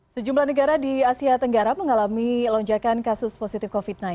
sejumlah negara di asia tenggara mengalami lonjakan kasus positif covid sembilan belas